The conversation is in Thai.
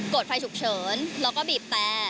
ดไฟฉุกเฉินแล้วก็บีบแต่